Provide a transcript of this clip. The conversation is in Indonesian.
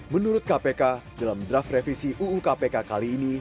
menurut kpk dalam draft revisi uu kpk kali ini